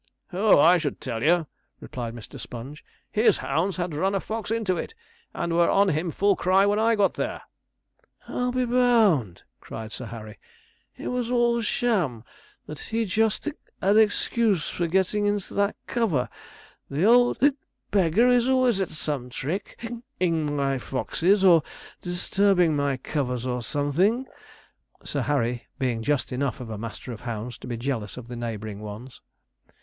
'Oh! I should tell you,' replied Mr. Sponge, 'his hounds had run a fox into it, and were on him full cry when I got there.' 'I'll be bund,' cried Sir Harry, 'it was all sham that he just and excuse for getting into that cover. The old beggar is always at some trick, ing my foxes or disturbing my covers or something,' Sir Harry being just enough of a master of hounds to be jealous of the neighbouring ones.